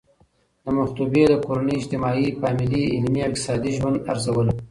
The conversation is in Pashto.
د مخطوبې د کورنۍ اجتماعي، فاميلي، علمي او اقتصادي ژوند ارزول